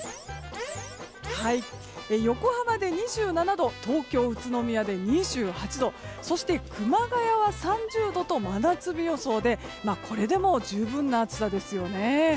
横浜で２７度東京、宇都宮で２８度そして熊谷は３０度と真夏日予想でこれでも十分な暑さですよね。